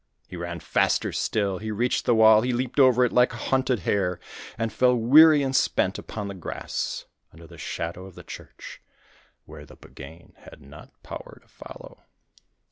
He ran faster still, he reached the wall, he leaped over it like a hunted hare, and fell weary and spent upon the grass, under the shadow of the church, where the Buggane had not power to follow.